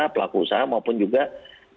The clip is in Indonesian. pelaku usaha maupun juga